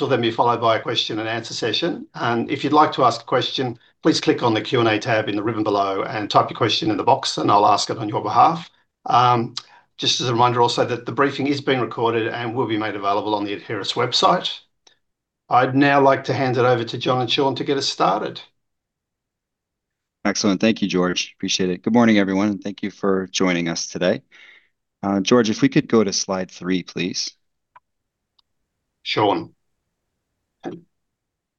This will then be followed by a question and answer session. If you'd like to ask a question, please click on the Q&A tab in the ribbon below and type your question in the box, and I'll ask it on your behalf. Just as a reminder also that the briefing is being recorded and will be made available on the Adheris website. I'd now like to hand it over to John and Sean to get us started. Excellent. Thank you, George. Appreciate it. Good morning, everyone, and thank you for joining us today. George, if we could go to slide three, please. Sean.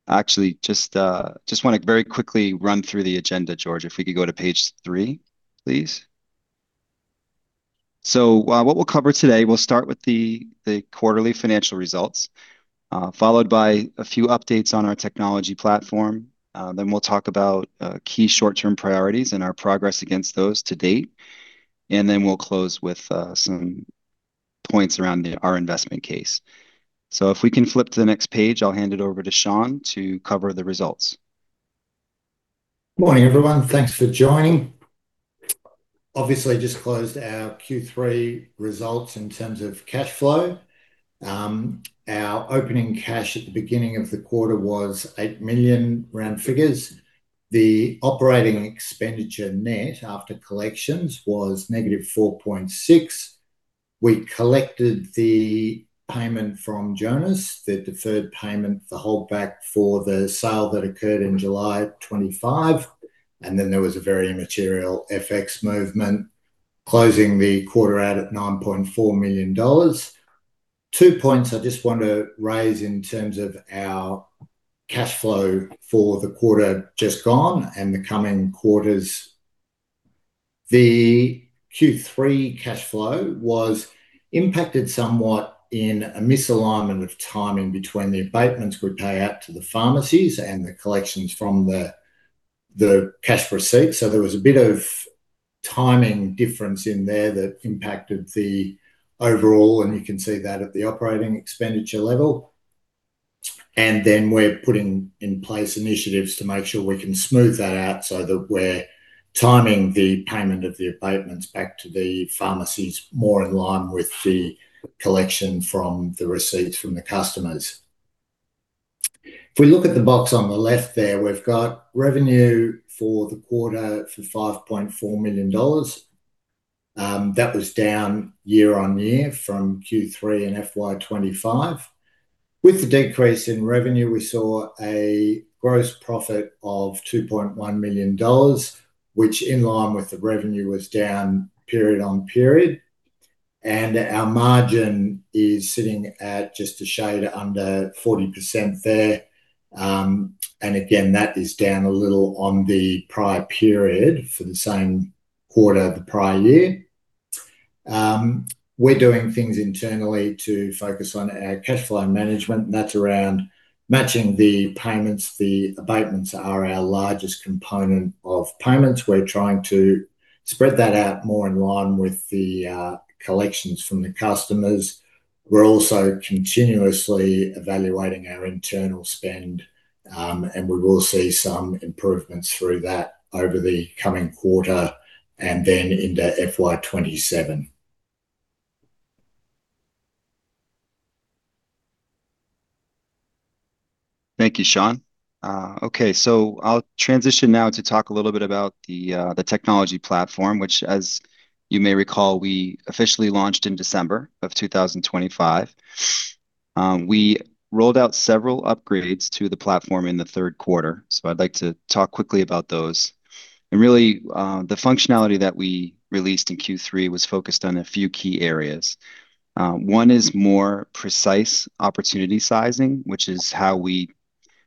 Actually, just want to very quickly run through the agenda, George. If we could go to page three, please. What we'll cover today, we'll start with the quarterly financial results, followed by a few updates on our technology platform. Then we'll talk about key short-term priorities and our progress against those to date. We'll close with some points around our investment case. If we can flip to the next page, I'll hand it over to Sean to cover the results. Morning, everyone. Thanks for joining. Obviously just closed our Q3 results in terms of cash flow. Our opening cash at the beginning of the quarter was AUD 8 million, round figures. The operating expenditure net after collections was negative 4.6. We collected the payment from Jonas, the deferred payment, the holdback for the sale that occurred in July 2025, and then there was a very immaterial FX movement closing the quarter out at 9.4 million dollars. Two points I just want to raise in terms of our cash flow for the quarter just gone and the coming quarters. The Q3 cash flow was impacted somewhat in a misalignment of timing between the abatements gross payout to the pharmacies and the collections from the cash receipts. There was a bit of timing difference in there that impacted the overall, and you can see that at the operating expenditure level. We're putting in place initiatives to make sure we can smooth that out so that we're timing the payment of the abatements back to the pharmacies more in line with the collection from the receipts from the customers. We look at the box on the left there, we've got revenue for the quarter for 5.4 million dollars. That was down year-on-year from Q3 in FY 2025. With the decrease in revenue, we saw a gross profit of 2.1 million dollars, which in line with the revenue was down period-on-period. Our margin is sitting at just a shade under 40% there. That is down a little on the prior period for the same quarter the prior year. We're doing things internally to focus on our cash flow management. That's around matching the payments. The abatements are our largest component of payments. We're trying to spread that out more in line with the collections from the customers. We're also continuously evaluating our internal spend, and we will see some improvements through that over the coming quarter and then into FY 2027. Thank you, Sean. Okay. I'll transition now to talk a little bit about the technology platform, which as you may recall, we officially launched in December 2025. We rolled out several upgrades to the platform in the third quarter. I'd like to talk quickly about those. Really, the functionality that we released in Q3 was focused on a few key areas. One is more precise opportunity sizing, which is how we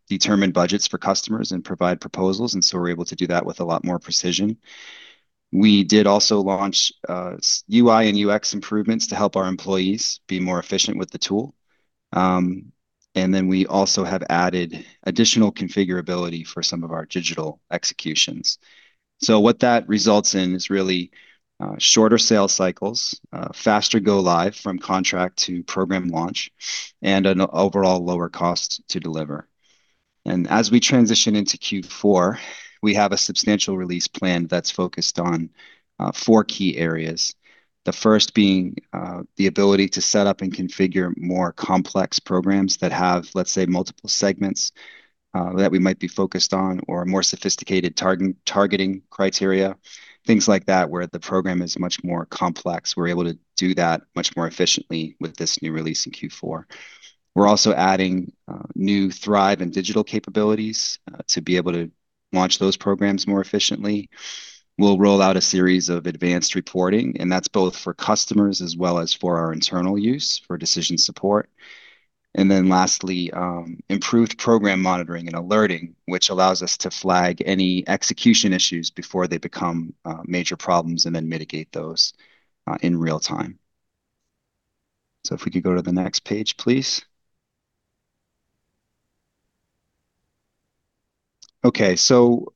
determine budgets for customers and provide proposals. We're able to do that with a lot more precision. We did also launch UI and UX improvements to help our employees be more efficient with the tool. We also have added additional configurability for some of our digital executions. What that results in is really shorter sales cycles, faster go live from contract to program launch, and an overall lower cost to deliver. As we transition into Q4, we have a substantial release plan that's focused on four key areas. The first being the ability to set up and configure more complex programs that have, let's say, multiple segments that we might be focused on or more sophisticated targeting criteria, things like that, where the program is much more complex. We're able to do that much more efficiently with this new release in Q4. We're also adding new THRiV and digital capabilities to be able to launch those programs more efficiently. We'll roll out a series of advanced reporting, and that's both for customers as well as for our internal use for decision support. Lastly, improved program monitoring and alerting, which allows us to flag any execution issues before they become major problems and then mitigate those in real time. If we could go to the next page, please. Okay.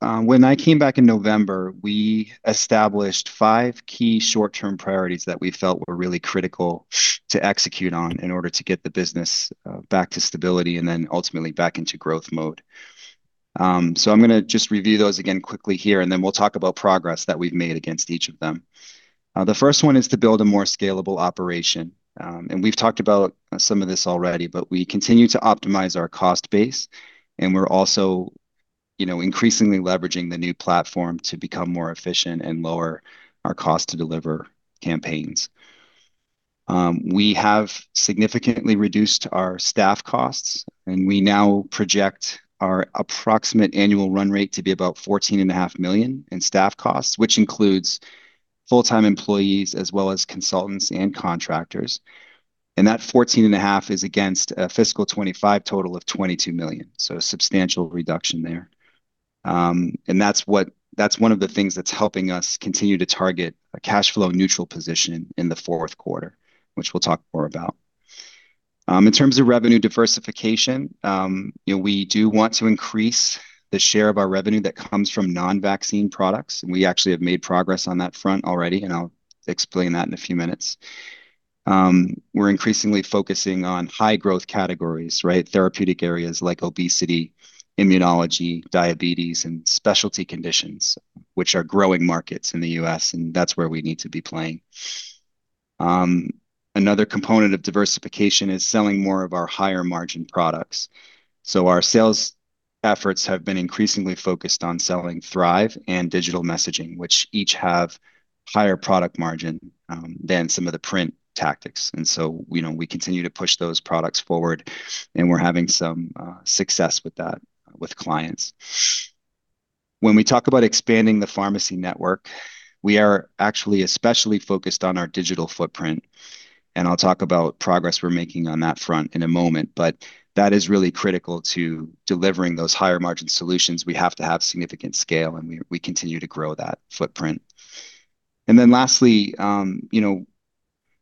When I came back in November, we established five key short-term priorities that we felt were really critical to execute on in order to get the business back to stability and then ultimately back into growth mode. I'm gonna just review those again quickly here, and then we'll talk about progress that we've made against each of them. The first one is to build a more scalable operation. We've talked about some of this already, but we continue to optimize our cost base, and we're also, you know, increasingly leveraging the new platform to become more efficient and lower our cost to deliver campaigns. We have significantly reduced our staff costs, and we now project our approximate annual run rate to be about 14.5 million in staff costs, which includes full-time employees as well as consultants and contractors. That 14.5 is against a FY 2025 total of 22 million, so a substantial reduction there. That's one of the things that's helping us continue to target a cash flow neutral position in the fourth quarter, which we'll talk more about. In terms of revenue diversification, you know, we do want to increase the share of our revenue that comes from non-vaccine products. We actually have made progress on that front already, and I'll explain that in a few minutes. We're increasingly focusing on high growth categories, right? Therapeutic areas like obesity, immunology, diabetes, and specialty conditions, which are growing markets in the U.S., and that's where we need to be playing. Another component of diversification is selling more of our higher margin products. Our sales efforts have been increasingly focused on selling THRiV and digital messaging, which each have higher product margin than some of the print tactics. You know, we continue to push those products forward, and we're having some success with that with clients. When we talk about expanding the pharmacy network, we are actually especially focused on our digital footprint, and I'll talk about progress we're making on that front in a moment. That is really critical to delivering those higher margin solutions. We have to have significant scale, and we continue to grow that footprint. Lastly, you know,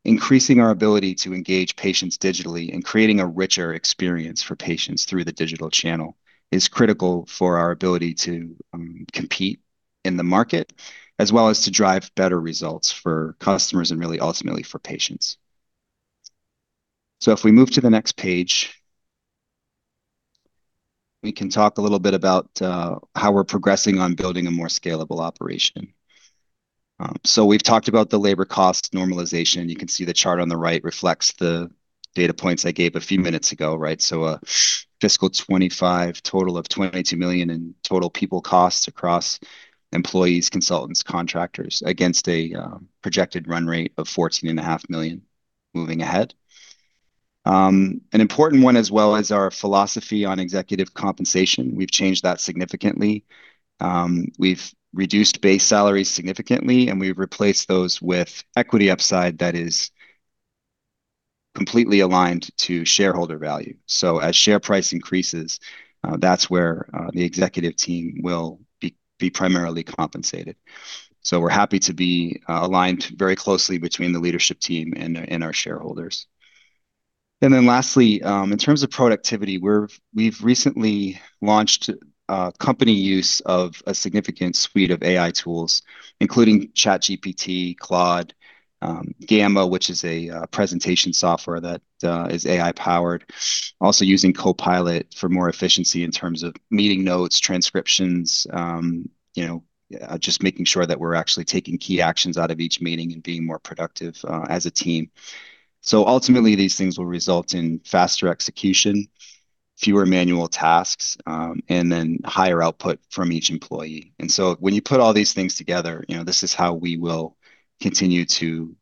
increasing our ability to engage patients digitally and creating a richer experience for patients through the digital channel is critical for our ability to compete in the market, as well as to drive better results for customers and really ultimately for patients. If we move to the next page, we can talk a little bit about how we're progressing on building a more scalable operation. We've talked about the labor cost normalization. You can see the chart on the right reflects the data points I gave a few minutes ago, right? FY 2025 total of 22 million in total people costs across employees, consultants, contractors, against a projected run rate of 14.5 million moving ahead. An important one as well is our philosophy on executive compensation. We've changed that significantly. We've reduced base salaries significantly, and we've replaced those with equity upside that is completely aligned to shareholder value. As share price increases, that's where the executive team will be primarily compensated. We're happy to be aligned very closely between the leadership team and our shareholders. Lastly, in terms of productivity, we've recently launched company use of a significant suite of AI tools, including ChatGPT, Claude, Gamma, which is a presentation software that is AI-powered. Using Copilot for more efficiency in terms of meeting notes, transcriptions, just making sure that we're actually taking key actions out of each meeting and being more productive as a team. Ultimately, these things will result in faster execution, fewer manual tasks, higher output from each employee. When you put all these things together, this is how we will continue to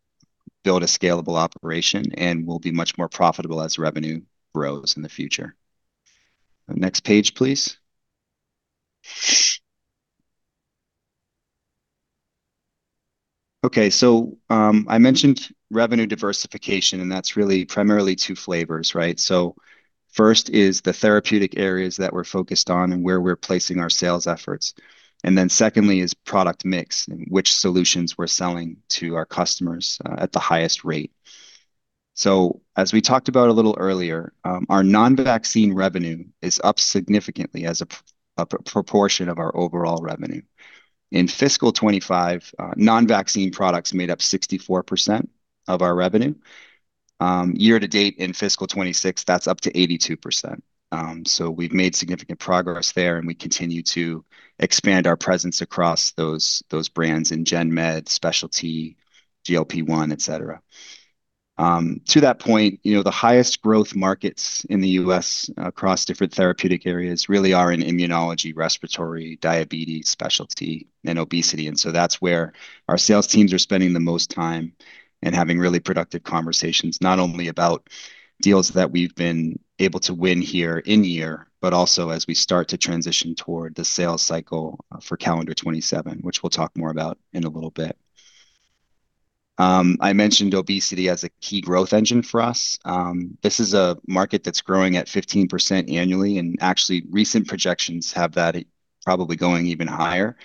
build a scalable operation and will be much more profitable as revenue grows in the future. Next page, please. Okay. I mentioned revenue diversification, that's really primarily two flavors, right? First is the therapeutic areas that we're focused on and where we're placing our sales efforts. Secondly is product mix and which solutions we're selling to our customers at the highest rate. As we talked about a little earlier, our non-vaccine revenue is up significantly as a proportion of our overall revenue. In fiscal 2025, non-vaccine products made up 64% of our revenue. Year to date in fiscal 2026, that's up to 82%. We've made significant progress there, and we continue to expand our presence across those brands in gen med, specialty, GLP-1, et cetera. To that point, you know, the highest growth markets in the U.S. across different therapeutic areas really are in immunology, respiratory, diabetes, specialty, and obesity. That's where our sales teams are spending the most time and having really productive conversations, not only about deals that we've been able to win here in year, but also as we start to transition toward the sales cycle for calendar 2027, which we'll talk more about in a little bit. I mentioned obesity as a key growth engine for us. This is a market that's growing at 15% annually, and actually recent projections have that probably going even higher.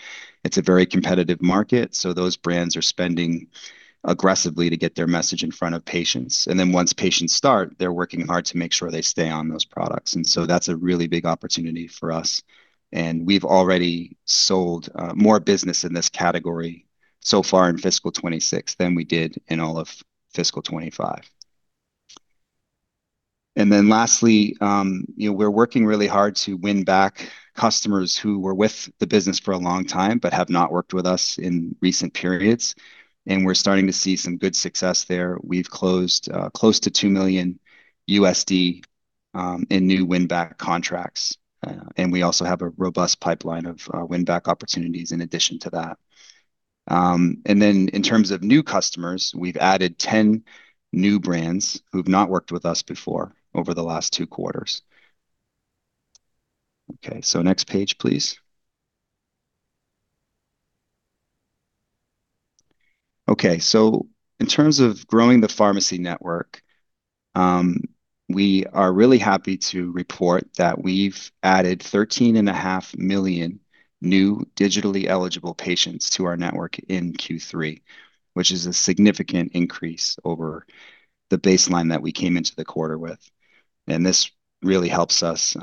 It's a very competitive market, so those brands are spending aggressively to get their message in front of patients. Once patients start, they're working hard to make sure they stay on those products. That's a really big opportunity for us, and we've already sold more business in this category so far in FY 2026 than we did in all of FY 2025. Lastly, you know, we're working really hard to win back customers who were with the business for a long time but have not worked with us in recent periods, and we're starting to see some good success there. We've closed close to $2 million in new win back contracts. We also have a robust pipeline of win back opportunities in addition to that. In terms of new customers, we've added 10 new brands who've not worked with us before over the last two quarters. Okay, next page, please. Okay, in terms of growing the pharmacy network, we are really happy to report that we've added 13.5 million new digitally eligible patients to our network in Q3, which is a significant increase over the baseline that we came into the quarter with. This really helps us,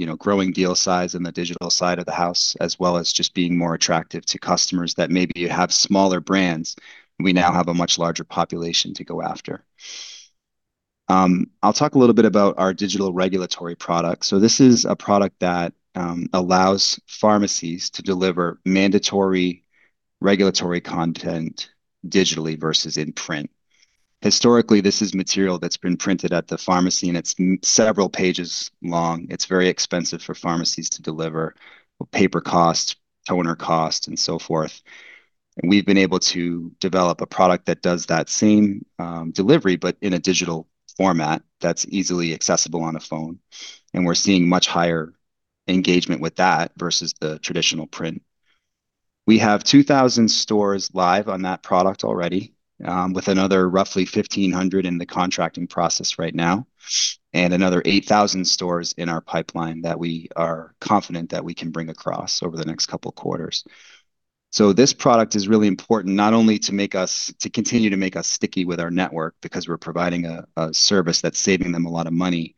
you know, growing deal size in the digital side of the house, as well as just being more attractive to customers that maybe have smaller brands. We now have a much larger population to go after. I'll talk a little bit about our digital regulatory product. This is a product that allows pharmacies to deliver mandatory regulatory content digitally versus in print. Historically, this is material that's been printed at the pharmacy, and it's several pages long. It's very expensive for pharmacies to deliver, paper cost, toner cost and so forth. We've been able to develop a digital regulatory product that does that same delivery, but in a digital format that's easily accessible on a phone, and we're seeing much higher engagement with that versus the traditional print. We have 2,000 stores live on that product already, with another roughly 1,500 in the contracting process right now, and another 8,000 stores in our pipeline that we are confident that we can bring across over the next couple quarters. This product is really important not only to continue to make us sticky with our network because we're providing a service that's saving them a lot of money,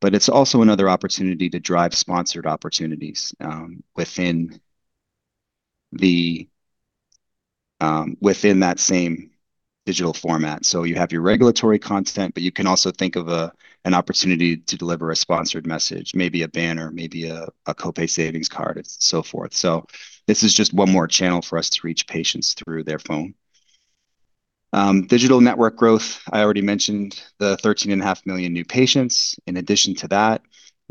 but it's also another opportunity to drive sponsored opportunities within that same digital format. You have your regulatory content, but you can also think of an opportunity to deliver a sponsored message, maybe a banner, maybe a co-pay savings card and so forth. This is just one more channel for us to reach patients through their phone. Digital network growth, I already mentioned the 13.5 million new patients. In addition to that,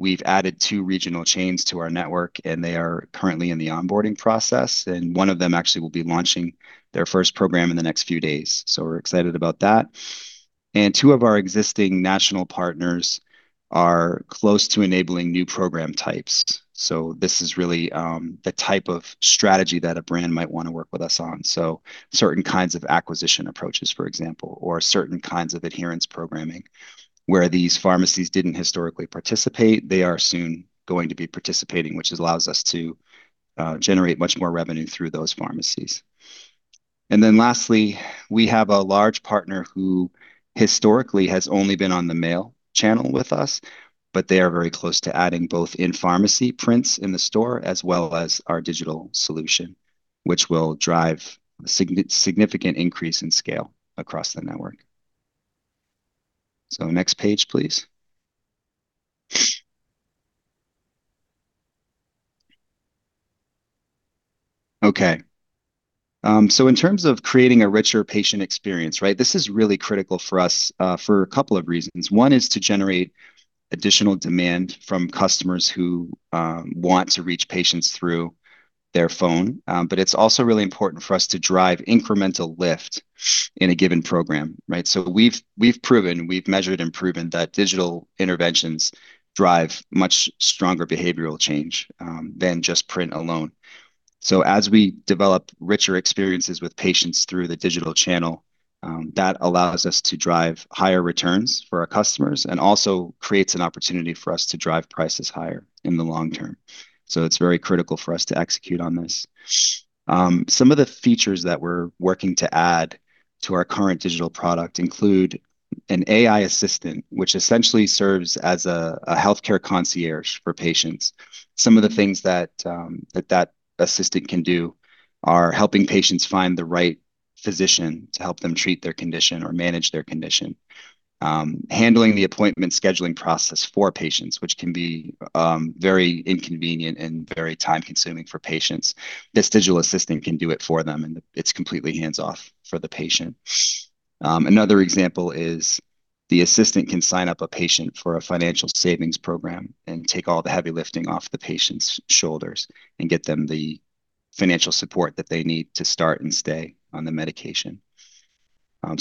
we've added two regional chains to our network, and they are currently in the onboarding process, and one of them actually will be launching their first program in the next few days. We're excited about that. Two of our existing national partners are close to enabling new program types. This is really the type of strategy that a brand might wanna work with us on. Certain kinds of acquisition approaches, for example, or certain kinds of adherence programming. Where these pharmacies didn't historically participate, they are soon going to be participating, which allows us to generate much more revenue through those pharmacies. Lastly, we have a large partner who historically has only been on the mail channel with us, but they are very close to adding both in-pharmacy prints in the store, as well as our digital solution, which will drive a significant increase in scale across the network. Next page, please. Okay. In terms of creating a richer patient experience, right? This is really critical for us for a couple of reasons. One is to generate additional demand from customers who want to reach patients through their phone. It's also really important for us to drive incremental lift in a given program, right? We've proven, we've measured and proven that digital interventions drive much stronger behavioral change than just print alone. As we develop richer experiences with patients through the digital channel that allows us to drive higher returns for our customers and also creates an opportunity for us to drive prices higher in the long term. It's very critical for us to execute on this. Some of the features that we're working to add to our current digital product include an AI assistant, which essentially serves as a healthcare concierge for patients. Some of the things that assistant can do are helping patients find the right physician to help them treat their condition or manage their condition. Handling the appointment scheduling process for patients, which can be very inconvenient and very time-consuming for patients. This digital assistant can do it for them, and it's completely hands-off for the patient. Another example is the assistant can sign up a patient for a financial savings program and take all the heavy lifting off the patient's shoulders and get them the financial support that they need to start and stay on the medication.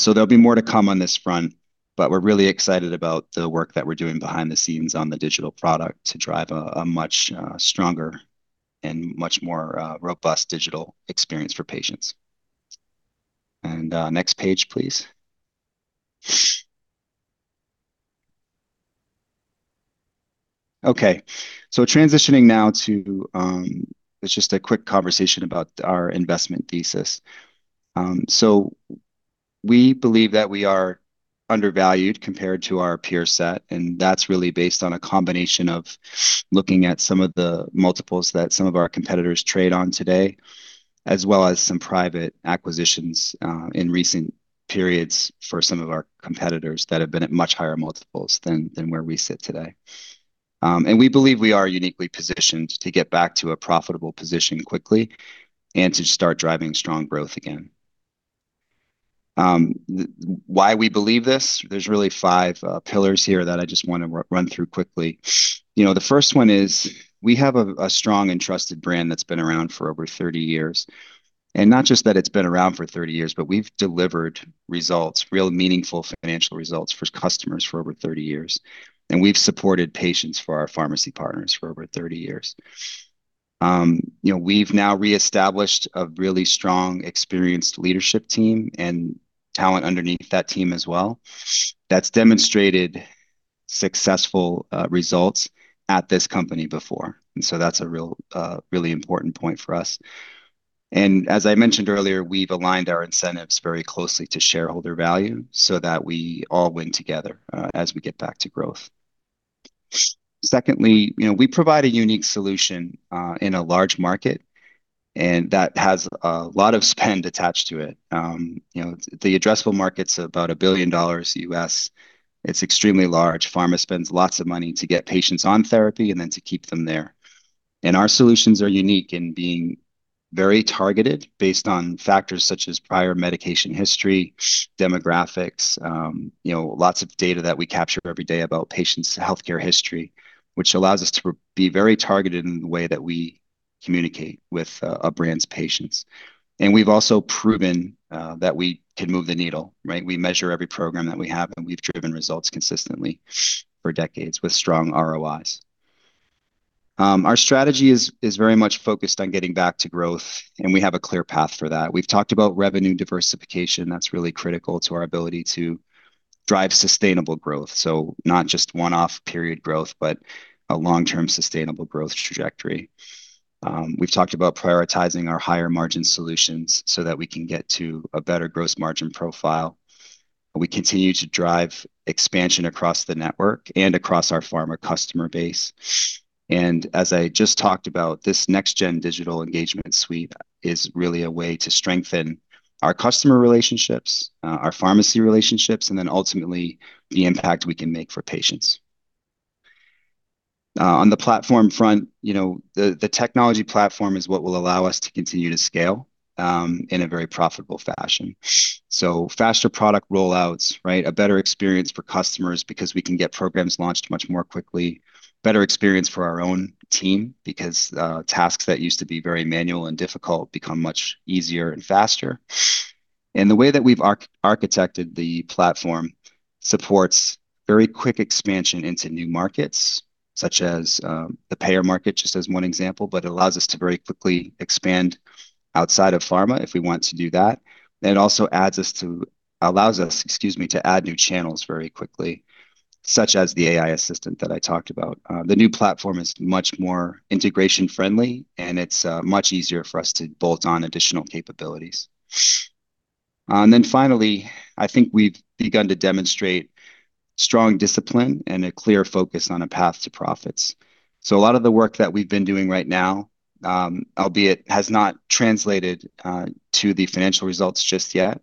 There'll be more to come on this front, but we're really excited about the work that we're doing behind the scenes on the digital product to drive a much stronger and much more robust digital experience for patients. Next page, please. Okay. Transitioning now to just a quick conversation about our investment thesis. We believe that we are undervalued compared to our peer set, and that's really based on a combination of looking at some of the multiples that some of our competitors trade on today. As well as some private acquisitions in recent periods for some of our competitors that have been at much higher multiples than where we sit today. We believe we are uniquely positioned to get back to a profitable position quickly and to start driving strong growth again. Why we believe this, there's really five pillars here that I just wanna run through quickly. You know, the first one is we have a strong and trusted brand that's been around for over 30 years. Not just that it's been around for 30 years, but we've delivered results, real meaningful financial results for customers for over 30 years, and we've supported patients for our pharmacy partners for over 30 years. You know, we've now reestablished a really strong, experienced leadership team and talent underneath that team as well that's demonstrated successful results at this company before. That's a real, really important point for us. As I mentioned earlier, we've aligned our incentives very closely to shareholder value so that we all win together as we get back to growth. Secondly, you know, we provide a unique solution in a large market, and that has a lot of spend attached to it. You know, the addressable market's about $1 billion. It's extremely large. Pharma spends lots of money to get patients on therapy and then to keep them there. Our solutions are unique in being very targeted based on factors such as prior medication history, demographics, you know, lots of data that we capture every day about patients' healthcare history, which allows us to be very targeted in the way that we communicate with a brand's patients. We've also proven that we can move the needle, right? We measure every program that we have, and we've driven results consistently for decades with strong ROIs. Our strategy is very much focused on getting back to growth, and we have a clear path for that. We've talked about revenue diversification. That's really critical to our ability to drive sustainable growth, so not just one-off period growth, but a long-term sustainable growth trajectory. We've talked about prioritizing our higher margin solutions so that we can get to a better gross margin profile. We continue to drive expansion across the network and across our pharma customer base. As I just talked about, this next gen digital engagement suite is really a way to strengthen our customer relationships, our pharmacy relationships, and then ultimately the impact we can make for patients. On the platform front, you know, the technology platform is what will allow us to continue to scale in a very profitable fashion. Faster product rollouts, right? A better experience for customers because we can get programs launched much more quickly. Better experience for our own team because tasks that used to be very manual and difficult become much easier and faster. The way that we've architected the platform supports very quick expansion into new markets such as the payer market, just as one example. It allows us to very quickly expand outside of pharma if we want to do that. It also allows us, excuse me, to add new channels very quickly, such as the AI assistant that I talked about. The new platform is much more integration friendly, and it's much easier for us to bolt on additional capabilities. Finally, I think we've begun to demonstrate strong discipline and a clear focus on a path to profits. A lot of the work that we've been doing right now, albeit has not translated to the financial results just yet,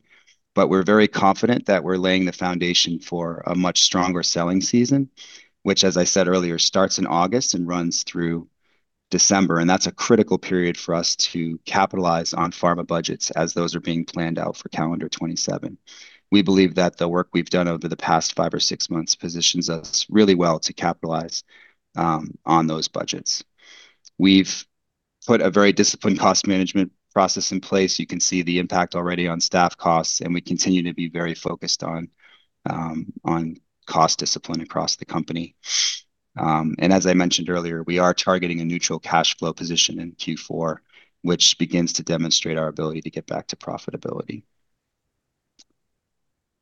but we're very confident that we're laying the foundation for a much stronger selling season, which, as I said earlier, starts in August and runs through December. That's a critical period for us to capitalize on pharma budgets as those are being planned out for calendar 2027. We believe that the work we've done over the past five or six months positions us really well to capitalize on those budgets. We've put a very disciplined cost management process in place. You can see the impact already on staff costs, and we continue to be very focused on cost discipline across the company. As I mentioned earlier, we are targeting a neutral cash flow position in Q4, which begins to demonstrate our ability to get back to profitability.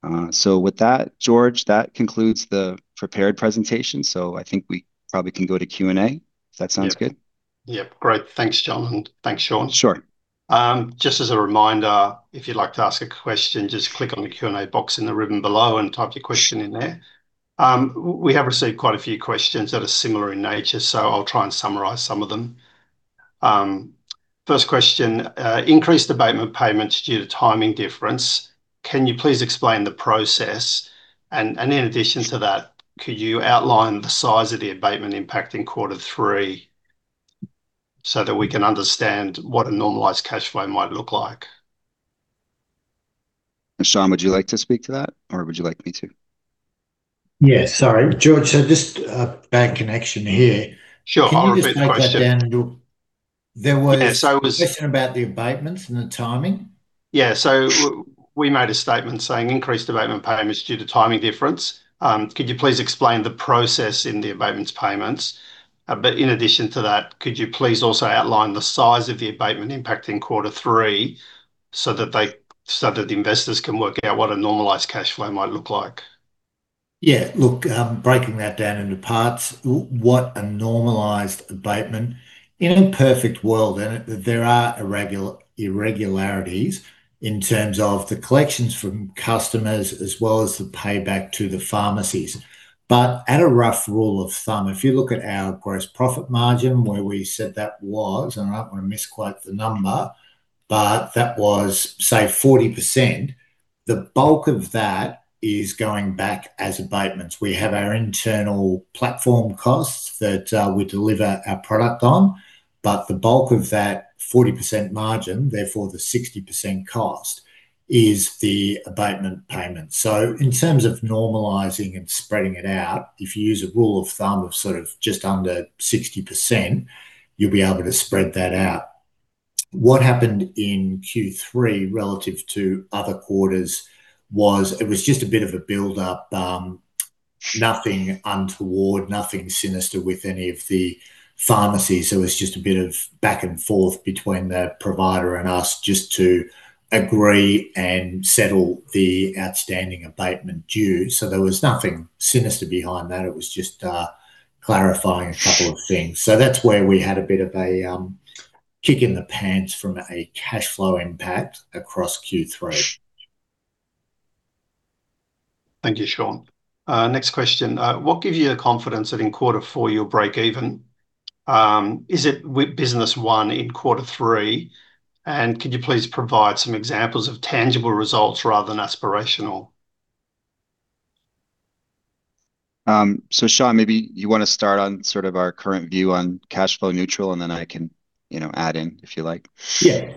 With that, George, that concludes the prepared presentation, so I think we probably can go to Q&A if that sounds good. Yep. Great. Thanks, John, and thanks, Sean. Sure. Just as a reminder, if you'd like to ask a question, just click on the Q&A box in the ribbon below and type your question in there. We have received quite a few questions that are similar in nature, so I'll try and summarize some of them. First question. Increased abatement payments due to timing difference. Can you please explain the process? In addition to that, could you outline the size of the abatement impact in quarter three so that we can understand what a normalized cash flow might look like? Sean, would you like to speak to that, or would you like me to? Yeah, sorry, George. Just a bad connection here. Sure. I'll repeat the question. Can you just break that down into? Yeah. a question about the abatements and the timing. We made a statement saying increased abatement payments due to timing difference. Could you please explain the process in the abatements payments? In addition to that, could you please also outline the size of the abatement impact in quarter three so that the investors can work out what a normalized cash flow might look like? Yeah. Breaking that down into parts, what a normalized abatement. In a perfect world, there are irregularities in terms of the collections from customers as well as the payback to the pharmacies. At a rough rule of thumb, if you look at our gross profit margin, where we said that was, and I don't want to misquote the number, but that was, say, 40%. The bulk of that is going back as abatements. We have our internal platform costs that we deliver our product on. The bulk of that 40% margin, therefore the 60% cost, is the abatement payment. In terms of normalizing and spreading it out, if you use a rule of thumb of sort of just under 60%, you'll be able to spread that out. What happened in Q3 relative to other quarters was it was just a bit of a build up, nothing untoward, nothing sinister with any of the pharmacies. It's just a bit of back and forth between the provider and us just to agree and settle the outstanding abatement due. There was nothing sinister behind that. It was just clarifying a couple of things. That's where we had a bit of a kick in the pants from a cash flow impact across Q3. Thank you, Sean. Next question. What gives you the confidence that in quarter four you'll break even? Is it with business one in quarter three? Could you please provide some examples of tangible results rather than aspirational? Sean, maybe you want to start on sort of our current view on cash flow neutral, and then I can, you know, add in if you like. Yeah.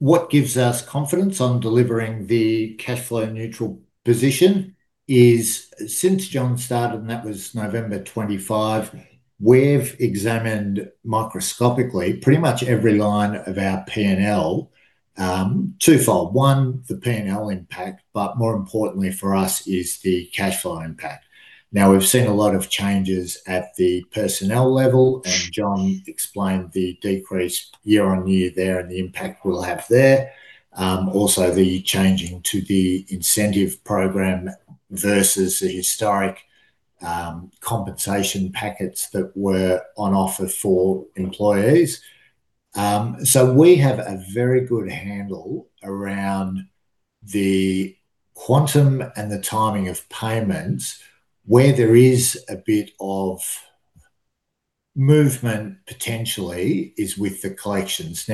What gives us confidence on delivering the cash flow neutral position is since John started, and that was November 2025, we've examined microscopically pretty much every line of our P&L. Twofold. One, the P&L impact, but more importantly for us is the cash flow impact. We've seen a lot of changes at the personnel level, and John explained the decrease year-on-year there and the impact we'll have there. Also the changing to the incentive program versus the historic compensation packages that were on offer for employees. We have a very good handle around the quantum and the timing of payments. Where there is a bit of movement potentially is with the collections.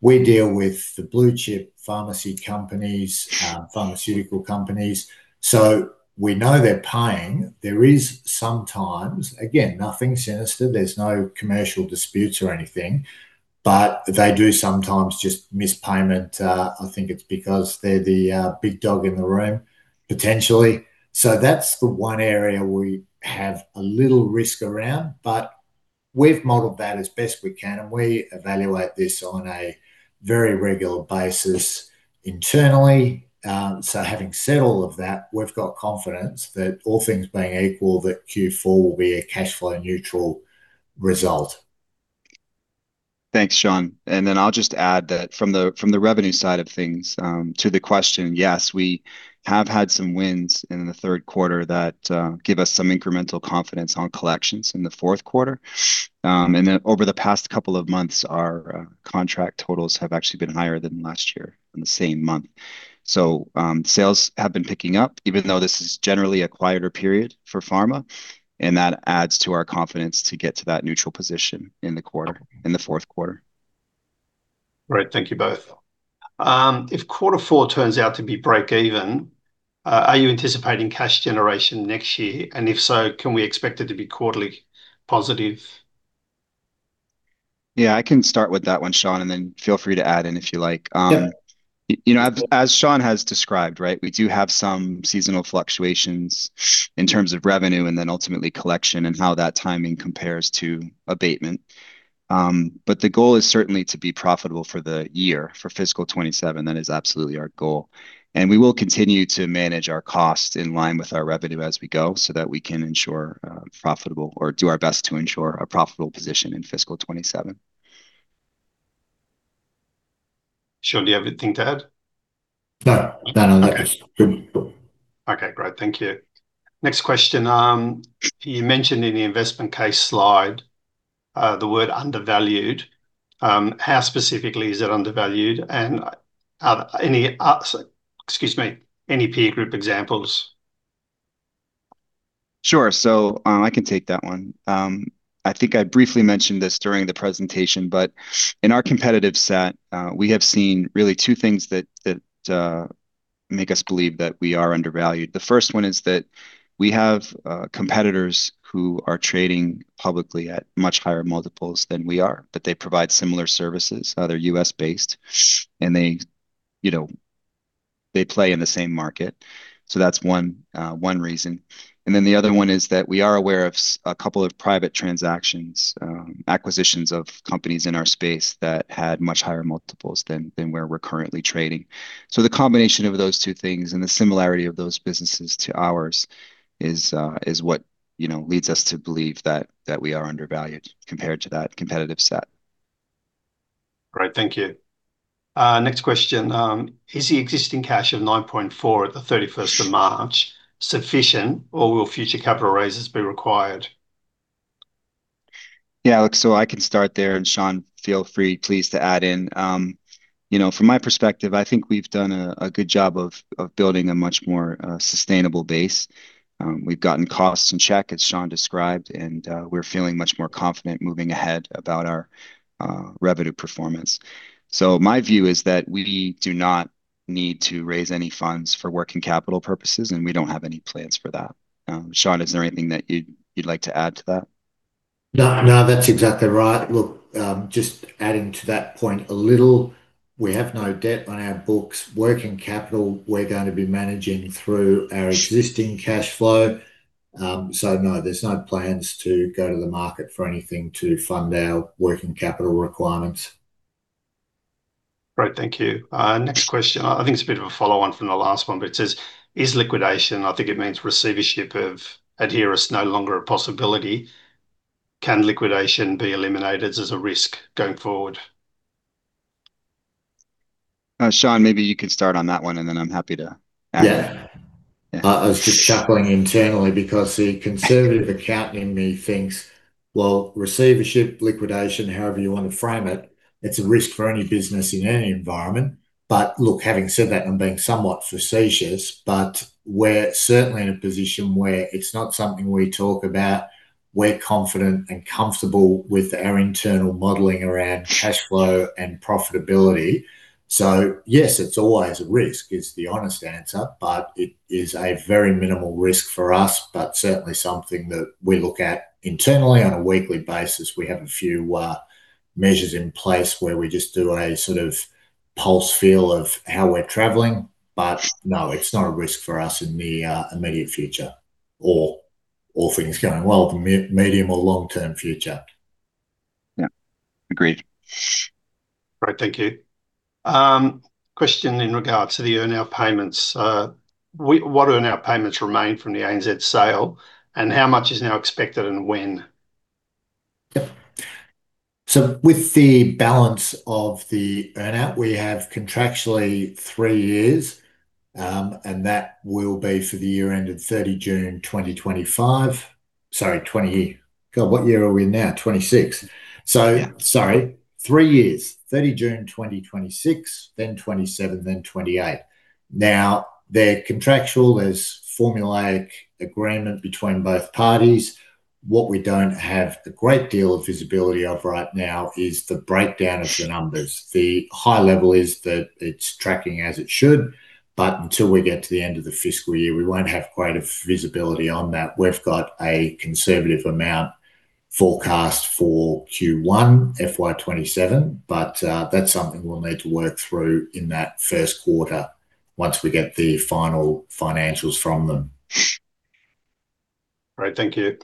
We deal with the blue chip pharmacy companies, pharmaceutical companies, we know they're paying. There is sometimes, again, nothing sinister, there's no commercial disputes or anything, but they do sometimes just miss payment. I think it's because they're the big dog in the room, potentially. That's the one area we have a little risk around, but we've modeled that as best we can, and we evaluate this on a very regular basis internally. Having said all of that, we've got confidence that all things being equal, that Q4 will be a cash flow neutral result. Thanks, Sean. I'll just add that from the revenue side of things, to the question, yes, we have had some wins in the third quarter that give us some incremental confidence on collections in the fourth quarter. Over the past couple of months, our contract totals have actually been higher than last year in the same month. Sales have been picking up even though this is generally a quieter period for pharma, and that adds to our confidence to get to that neutral position in the quarter, in the fourth quarter. Great. Thank you both. If quarter four turns out to be break even, are you anticipating cash generation next year? If so, can we expect it to be quarterly positive? Yeah, I can start with that one, Sean, and then feel free to add in if you like. Yeah. You know, as Sean has described, right, we do have some seasonal fluctuations in terms of revenue and then ultimately collection and how that timing compares to abatement. The goal is certainly to be profitable for the year, for fiscal 2027. That is absolutely our goal. We will continue to manage our costs in line with our revenue as we go so that we can ensure profitable or do our best to ensure a profitable position in fiscal 2027. Sean, do you have anything to add? No. No, no. Okay. Good. Cool. Okay, great. Thank you. Next question. You mentioned in the investment case slide, the word undervalued. How specifically is it undervalued? Are any, excuse me, any peer group examples? Sure. I can take that one. I think I briefly mentioned this during the presentation, but in our competitive set, we have seen really two things that make us believe that we are undervalued. The first one is that we have competitors who are trading publicly at much higher multiples than we are, but they provide similar services. They're U.S.-based, and they, you know, they play in the same market. That's one reason. The other one is that we are aware of a couple of private transactions, acquisitions of companies in our space that had much higher multiples than where we're currently trading. The combination of those two things and the similarity of those businesses to ours is what, you know, leads us to believe that we are undervalued compared to that competitive set. Great. Thank you. Next question. Is the existing cash of 9.4 at the 31st of March sufficient or will future capital raises be required? Yeah. Look, I can start there, Sean, feel free please to add in. You know, from my perspective, I think we've done a good job of building a much more sustainable base. We've gotten costs in check, as Sean described, we're feeling much more confident moving ahead about our revenue performance. My view is that we do not need to raise any funds for working capital purposes, we don't have any plans for that. Sean, is there anything that you'd like to add to that? No, no, that's exactly right. Look, just adding to that point a little, we have no debt on our books. Working capital, we're gonna be managing through our existing cashflow. No, there's no plans to go to the market for anything to fund our working capital requirements. Great. Thank you. Next question, I think it's a bit of a follow on from the last one, it says, "Is liquidation," I think it means receivership of Adheris no longer a possibility. Can liquidation be eliminated as a risk going forward? Sean, maybe you could start on that one, and then I'm happy to add. Yeah. Yeah. I was just chuckling internally because the conservative accountant in me thinks, well, receivership, liquidation, however you want to frame it's a risk for any business in any environment. Look, having said that and being somewhat facetious, we're certainly in a position where it's not something we talk about. We're confident and comfortable with our internal modeling around cash flow and profitability. Yes, it's always a risk is the honest answer, but it is a very minimal risk for us, but certainly something that we look at internally on a weekly basis. We have a few measures in place where we just do a sort of pulse feel of how we're traveling. No, it's not a risk for us in the immediate future or things going well, the medium or long-term future. Yeah. Agreed. Great. Thank you. question in regards to the earn-out payments. what earn-out payments remain from the ANZ sale, and how much is now expected and when? Yep. With the balance of the earn-out, we have contractually three years, and that will be for the year ended 30 June 2025. God, what year are we in now? 2026. Sorry, three years. 30 June 2026, then 2027, then 2028. They're contractual. There's formulaic agreement between both parties. What we don't have the great deal of visibility of right now is the breakdown of the numbers. The high level is that it's tracking as it should. Until we get to the end of the fiscal year, we won't have quite a visibility on that. We've got a conservative amount forecast for Q1 FY 2027. That's something we'll need to work through in that first quarter once we get the final financials from them. Great. Thank you.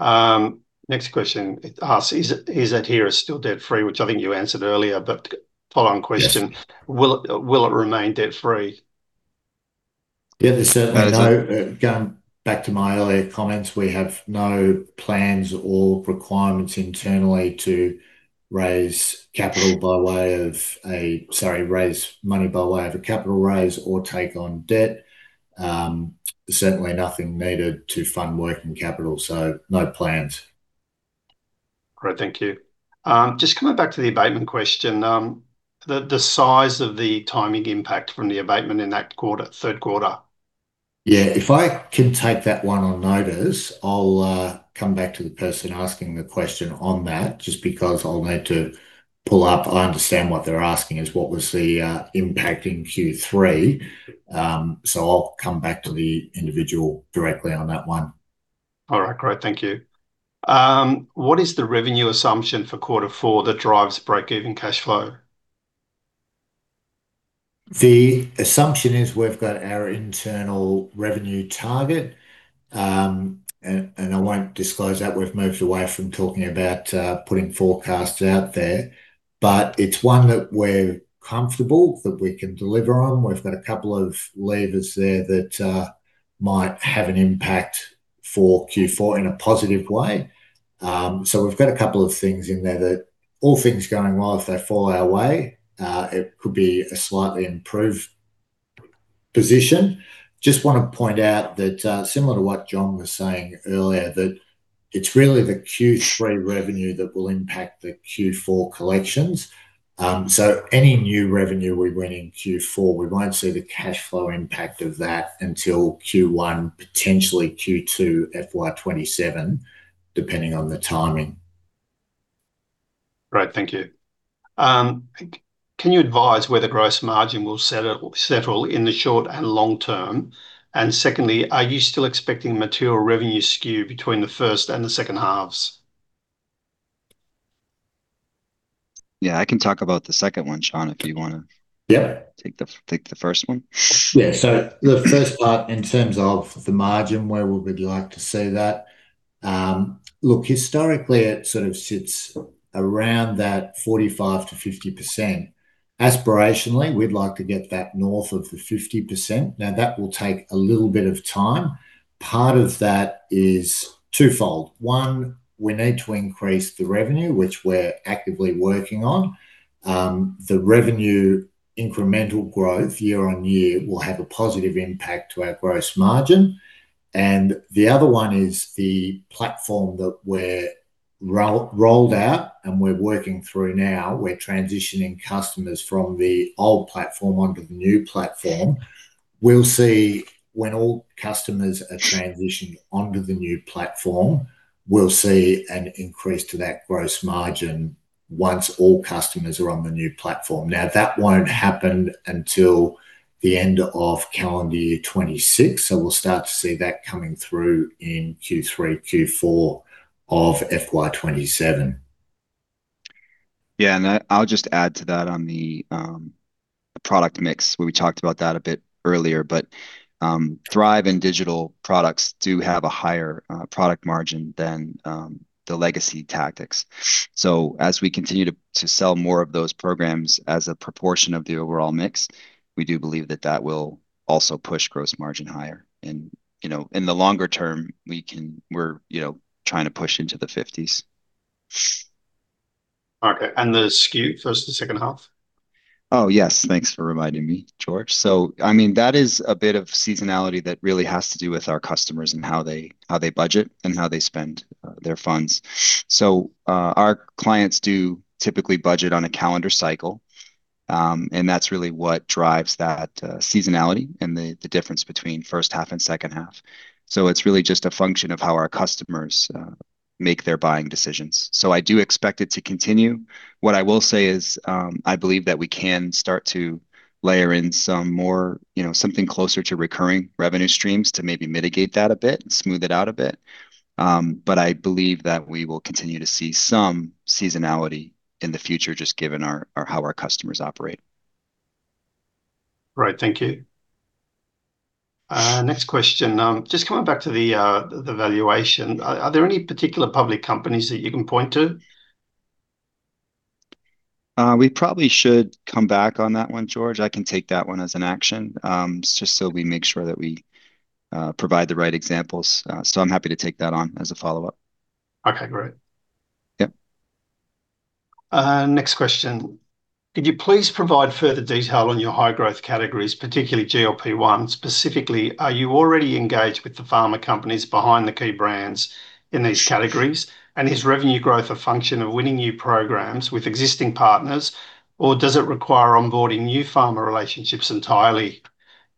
next question. It asks, "Is Adheris still debt-free?" Which I think you answered earlier, but follow-on question. Yes... will it remain debt-free? Yeah, there's certainly no- Going back to my earlier comments, we have no plans or requirements internally to Sorry, raise money by way of a capital raise or take on debt. Certainly nothing needed to fund working capital. No plans. Great. Thank you. Just coming back to the abatement question, the size of the timing impact from the abatement in that quarter, third quarter. Yeah, if I can take that one on notice, I'll come back to the person asking the question on that just because I'll need to pull up. I understand what they're asking is what was the impact in Q3. I'll come back to the individual directly on that one. All right. Great. Thank you. What is the revenue assumption for quarter four that drives break-even cash flow? The assumption is we've got our internal revenue target, and I won't disclose that. We've moved away from talking about putting forecasts out there, it's one that we're comfortable that we can deliver on. We've got a couple of levers there that might have an impact for Q4 in a positive way. We've got a couple of things in there that all things going well, if they fall our way, it could be a slightly improved position. Just want to point out that similar to what John was saying earlier, that it's really the Q3 revenue that will impact the Q4 collections. Any new revenue we bring in Q4, we won't see the cashflow impact of that until Q1, potentially Q2 FY 2027, depending on the timing. Great. Thank you. Can you advise where the gross margin will settle in the short and long term? Secondly, are you still expecting material revenue skew between the first and the second halves? Yeah, I can talk about the second one, Sean, if you wanna- Yeah Take the first one. Yeah. The first part in terms of the margin, where would we like to see that? Look, historically, it sort of sits around that 45%-50%. Aspirationally, we'd like to get that north of 50%. That will take a little bit of time. Part of that is twofold. One, we need to increase the revenue, which we're actively working on. The revenue incremental growth year on year will have a positive impact to our gross margin, and the other one is the platform that we're rolled out and we're working through now. We're transitioning customers from the old platform onto the new platform. We'll see when all customers are transitioning onto the new platform, we'll see an increase to that gross margin once all customers are on the new platform. That won't happen until the end of calendar year 2026, so we'll start to see that coming through in Q3, Q4 of FY 2027. Yeah, I'll just add to that on the product mix. We talked about that a bit earlier, THRiV and digital products do have a higher product margin than the legacy tactics. As we continue to sell more of those programs as a proportion of the overall mix, we do believe that that will also push gross margin higher, and, you know, in the longer term we're, you know, trying to push into the 50%s. Okay. The skew, first to second half? Oh, yes. Thanks for reminding me, George. I mean, that is a bit of seasonality that really has to do with our customers and how they budget and how they spend their funds. Our clients do typically budget on a calendar cycle, and that's really what drives that seasonality and the difference between first half and second half. It's really just a function of how our customers make their buying decisions. I do expect it to continue. What I will say is, I believe that we can start to layer in some more, you know, something closer to recurring revenue streams to maybe mitigate that a bit, smooth it out a bit. I believe that we will continue to see some seasonality in the future just given how our customers operate. Right. Thank you. Next question. Just coming back to the valuation. Are there any particular public companies that you can point to? We probably should come back on that one, George. I can take that one as an action, just so we make sure that we provide the right examples. I'm happy to take that on as a follow-up. Okay, great. Yep. Next question. Could you please provide further detail on your high growth categories, particularly GLP-1? Specifically, are you already engaged with the pharma companies behind the key brands in these categories? Is revenue growth a function of winning new programs with existing partners, or does it require onboarding new pharma relationships entirely?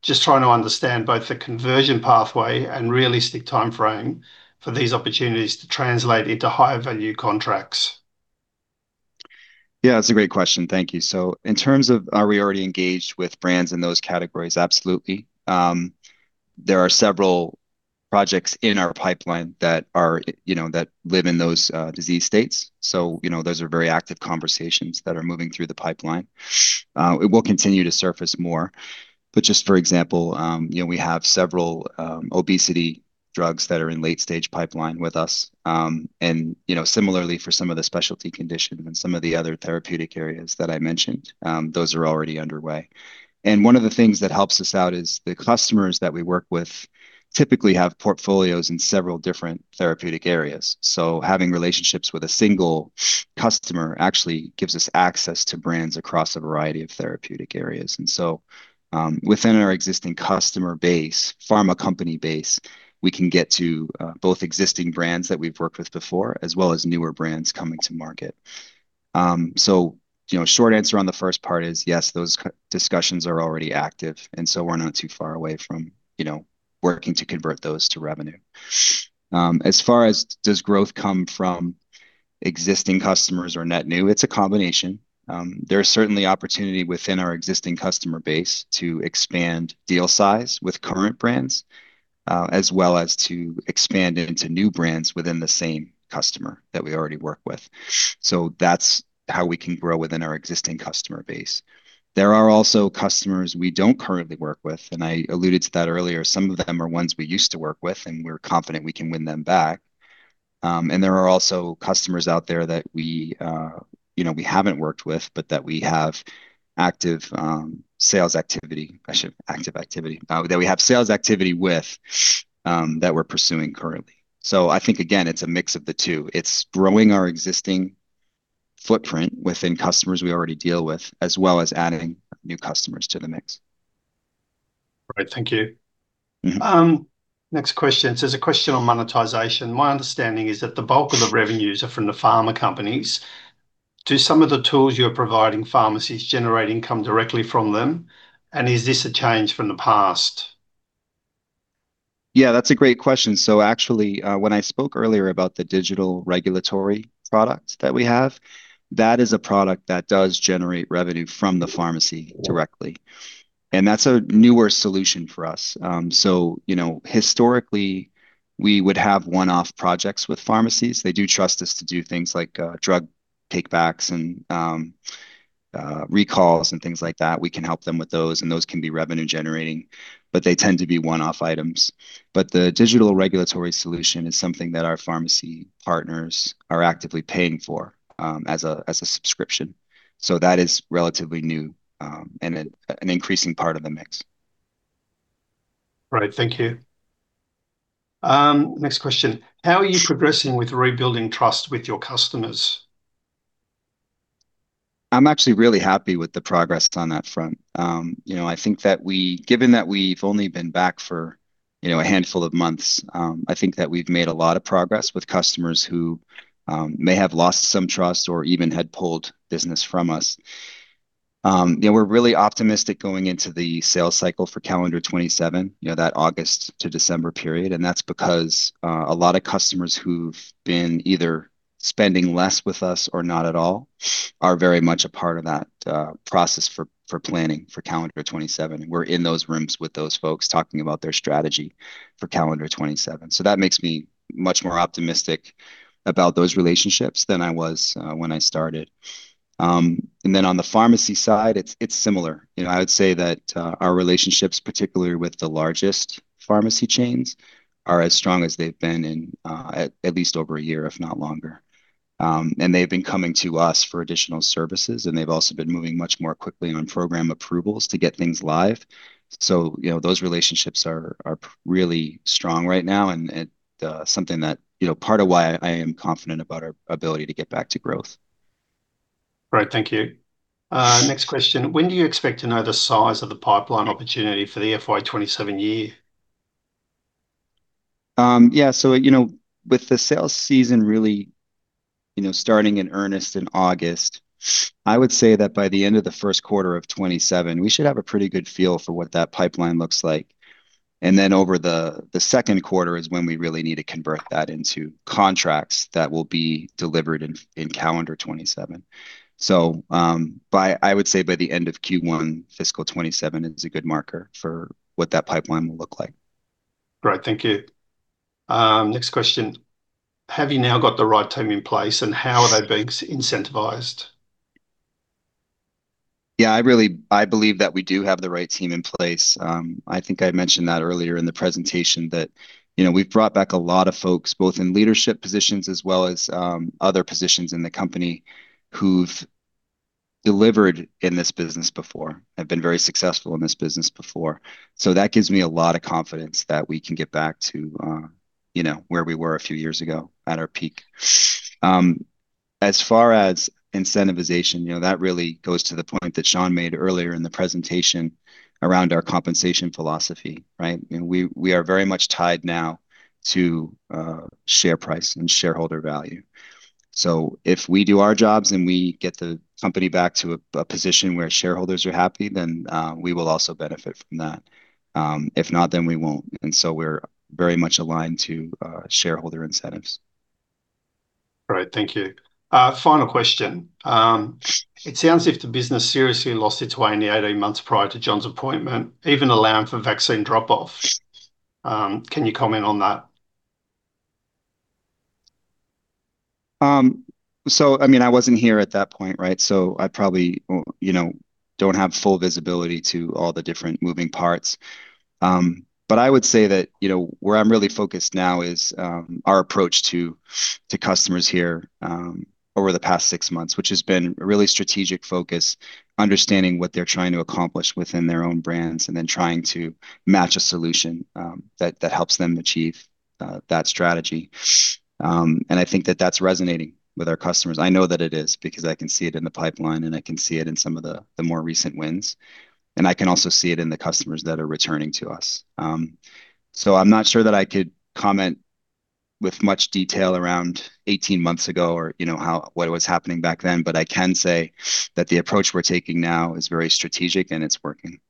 Just trying to understand both the conversion pathway and realistic timeframe for these opportunities to translate into higher value contracts. Yeah, that's a great question. Thank you. In terms of are we already engaged with brands in those categories, absolutely. There are several projects in our pipeline that are, you know, that live in those disease states, so you know, those are very active conversations that are moving through the pipeline. It will continue to surface more. Just for example, you know, we have several obesity drugs that are in late stage pipeline with us. You know, similarly for some of the specialty condition and some of the other therapeutic areas that I mentioned, those are already underway. One of the things that helps us out is the customers that we work with typically have portfolios in several different therapeutic areas. Having relationships with a single customer actually gives us access to brands across a variety of therapeutic areas. Within our existing customer base, pharma company base, we can get to both existing brands that we've worked with before, as well as newer brands coming to market. You know, short answer on the first part is yes, those key discussions are already active, we're not too far away from, you know, working to convert those to revenue. As far as does growth come from existing customers or net new, it's a combination. There's certainly opportunity within our existing customer base to expand deal size with current brands, as well as to expand into new brands within the same customer that we already work with. That's how we can grow within our existing customer base. There are also customers we don't currently work with, and I alluded to that earlier. Some of them are ones we used to work with, and we're confident we can win them back. There are also customers out there that we, you know, we haven't worked with but that we have active sales activity. That we have sales activity with that we're pursuing currently. I think again, it's a mix of the two. It's growing our existing footprint within customers we already deal with, as well as adding new customers to the mix. Great. Thank you. Next question. It's a question on monetization. My understanding is that the bulk of the revenues are from the pharma companies. Do some of the tools you're providing pharmacies generate income directly from them? Is this a change from the past? Yeah, that's a great question. Actually, when I spoke earlier about the digital regulatory product that we have, that is a product that does generate revenue from the pharmacy directly, and that's a newer solution for us. You know, historically, we would have one-off projects with pharmacies. They do trust us to do things like, drug take backs and, recalls and things like that. We can help them with those, and those can be revenue generating, but they tend to be one-off items. The digital regulatory solution is something that our pharmacy partners are actively paying for, as a, as a subscription. That is relatively new, and an increasing part of the mix. Great. Thank you. Next question. How are you progressing with rebuilding trust with your customers? I'm actually really happy with the progress on that front. You know, given that we've only been back for a handful of months, I think that we've made a lot of progress with customers who may have lost some trust or even had pulled business from us. You know, we're really optimistic going into the sales cycle for calendar 2027, you know, that August to December period, and that's because a lot of customers who've been either spending less with us or not at all are very much a part of that process for planning for calendar 2027. We're in those rooms with those folks talking about their strategy for calendar 2027. That makes me much more optimistic about those relationships than I was when I started. On the pharmacy side, it's similar. You know, I would say that our relationships, particularly with the largest pharmacy chains, are as strong as they've been in at least over a year, if not longer. They've been coming to us for additional services, and they've also been moving much more quickly on program approvals to get things live. You know, those relationships are really strong right now and something that, you know, part of why I am confident about our ability to get back to growth. Great. Thank you. Next question. When do you expect to know the size of the pipeline opportunity for the FY 2027 year? With the sales season really starting in earnest in August, I would say that by the end of the first quarter of 2027, we should have a pretty good feel for what that pipeline looks like. Over the second quarter is when we really need to convert that into contracts that will be delivered in calendar 2027. By the end of Q1 fiscal 2027 is a good marker for what that pipeline will look like. Great. Thank you. Next question. Have you now got the right team in place, and how are they being incentivized? Yeah, I really, I believe that we do have the right team in place. I think I mentioned that earlier in the presentation that, you know, we've brought back a lot of folks, both in leadership positions as well as, other positions in the company, who've delivered in this business before, have been very successful in this business before. That gives me a lot of confidence that we can get back to, you know, where we were a few years ago at our peak. As far as incentivization, you know, that really goes to the point that Sean made earlier in the presentation around our compensation philosophy, right? We are very much tied now to share price and shareholder value. If we do our jobs and we get the company back to a position where shareholders are happy, then we will also benefit from that. If not, then we won't, and so we're very much aligned to shareholder incentives. Great. Thank you. Final question. It sounds as if the business seriously lost its way in the 18 months prior to John's appointment, even allowing for vaccine drop-off. Can you comment on that? I mean, I wasn't here at that point, right, so I probably, you know, don't have full visibility to all the different moving parts. I would say that, you know, where I'm really focused now is our approach to customers here, over the past six months, which has been a really strategic focus, understanding what they're trying to accomplish within their own brands, and then trying to match a solution that helps them achieve that strategy. I think that that's resonating with our customers. I know that it is because I can see it in the pipeline, and I can see it in some of the more recent wins, and I can also see it in the customers that are returning to us. I'm not sure that I could comment with much detail around 18 months ago or, you know, how, what was happening back then, but I can say that the approach we're taking now is very strategic and it's working.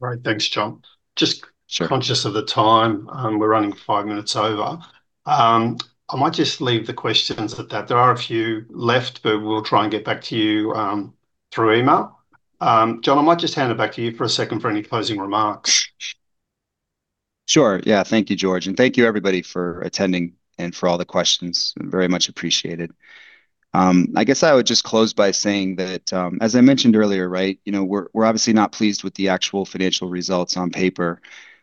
Great. Thanks, John. Sure. Just conscious of the time. We're running five minutes over. I might just leave the questions at that. There are a few left, but we'll try and get back to you, through email. John, I might just hand it back to you for a second for any closing remarks. Sure. Thank you, George, and thank you everybody for attending and for all the questions. Very much appreciated. I guess I would just close by saying that, as I mentioned earlier, right, you know, we're obviously not pleased with the actual financial results on paper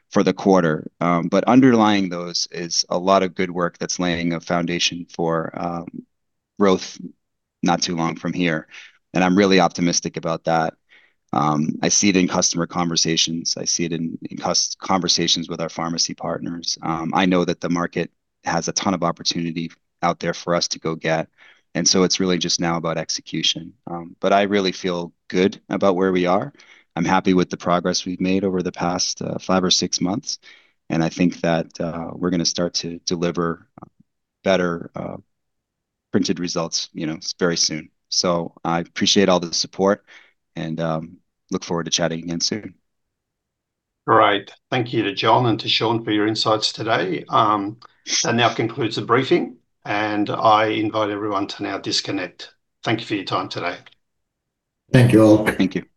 for the quarter. Underlying those is a lot of good work that's laying a foundation for growth not too long from here. I'm really optimistic about that. I see it in customer conversations. I see it in conversations with our pharmacy partners. I know that the market has a ton of opportunity out there for us to go get. It's really just now about execution. I really feel good about where we are. I'm happy with the progress we've made over the past, five or six months, and I think that, we're gonna start to deliver better, printed results, you know, very soon. I appreciate all the support and, look forward to chatting again soon. Great. Thank you to John and to Sean for your insights today. That now concludes the briefing. I invite everyone to now disconnect. Thank you for your time today. Thank you all. Thank you.